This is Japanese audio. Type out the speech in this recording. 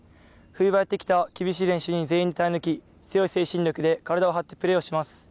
冬場やってきた厳しい練習に全員で耐え抜き、強い精神力で体を張ってプレーをします。